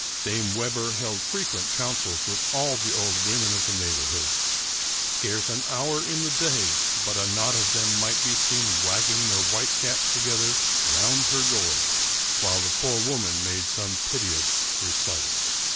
Dame Webber held frequent councils with all the old women of the neighborhood; scarce an hour in the day but a knot of them might be seen wagging their white caps together round her door, while the poor woman made some piteous recital.